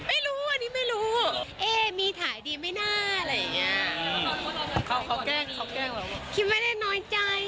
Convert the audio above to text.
อันนี้ไม่รู้มีถ่ายดีไม่น่าอะไรอย่างเงี้ย